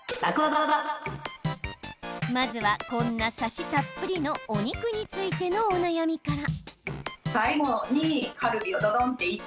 まずは、こんなサシたっぷりのお肉についてのお悩みから。